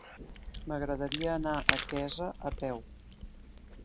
M'agradaria anar a Quesa a peu.